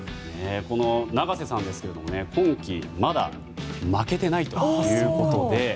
永瀬さんですが今期、まだ負けてないということで。